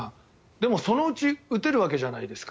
でもそのうち打てるわけじゃないですか。